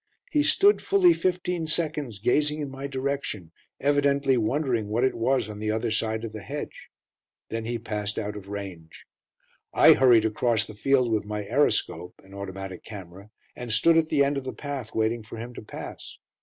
He stood fully fifteen seconds gazing in my direction, evidently wondering what it was on the other side of the hedge. Then he passed out of range. I hurried across the field with my aeroscope (an automatic camera), and stood at the end of the path waiting for him to pass.